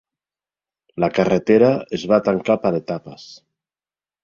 La carretera es va tancar per etapes.